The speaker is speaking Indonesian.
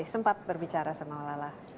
sempat berbicara sama malala